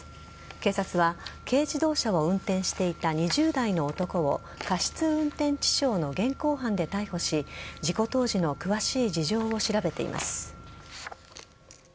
警察は軽自動車を運転していた２０代の男を過失運転致傷の現行犯で逮捕し事故当時の詳しい事情を調べています。